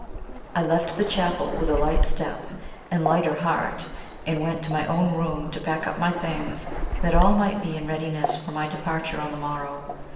I left the chapel with a light step and lighter heart, and went to my own room to pack up my things that all might be in readiness for my departure on the morrow.